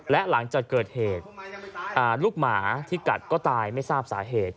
และหลังจากเกิดเหตุลูกหมาที่กัดก็ตายไม่ทราบสาเหตุ